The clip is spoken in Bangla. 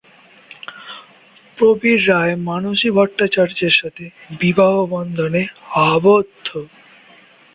প্রবীর রায় মানসী ভট্টাচার্যের সাথে বিবাহবন্ধনে আবদ্ধ।